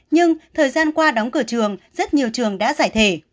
nhưng thời gian qua đóng cửa trường rất nhiều trường đã giải thể